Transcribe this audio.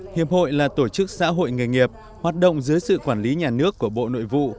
hiệp hội là tổ chức xã hội nghề nghiệp hoạt động dưới sự quản lý nhà nước của bộ nội vụ